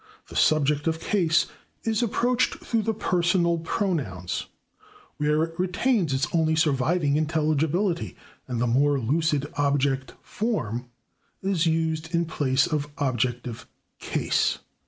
The subject of case is approached through the personal pronouns, where it retains its only surviving intelligibility, and the more lucid /object form/ is used in place of /objective case